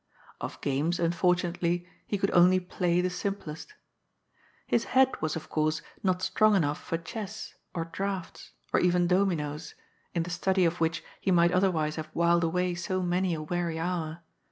Of games, unfortunately, he could only play the simplest. His head was, of course, not strong enough for chess, or draughts, or even dominoes, in the study of which he might otherwise have whiled away so many a weary hour.